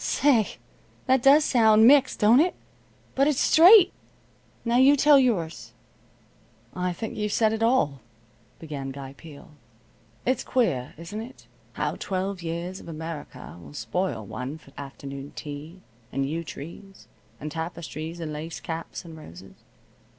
Say, that does sound mixed, don't it? But it's straight. Now you tell yours." "I think you've said it all," began Guy Peel. "It's queer, isn't it, how twelve years of America will spoil one for afternoon tea, and yew trees, and tapestries, and lace caps, and roses.